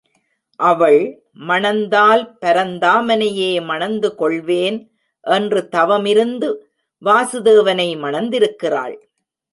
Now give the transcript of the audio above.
அவள், மணந்தால் பரந்தாமனையே மணந்து கொள்வேன் என்று தவமிருந்து வாசுதேவனை மணந்திருக்கிறாள்.